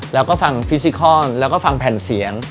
แล้วก็ฟังฟิซิคอนแล้วก็ฟังแผ่นเสียง